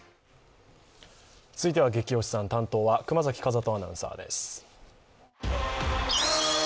続いては「ゲキ推しさん」担当は熊崎風斗アナウンサーです。